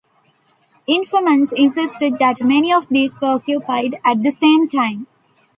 Informants insisted that many of these were occupied at the same time.